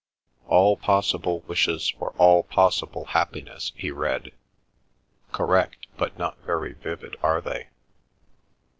"'—all possible wishes for all possible happiness,'" he read; "correct, but not very vivid, are they?"